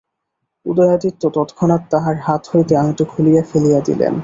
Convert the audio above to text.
উদয়াদিত্য তৎক্ষণাৎ তাঁহার হাত হইতে আংটি খুলিয়া ফেলিয়া দিলেন।